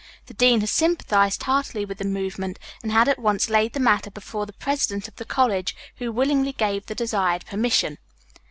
The dean had sympathized heartily with the movement, and had at once laid the matter before the president of the college, who willingly gave the desired permission.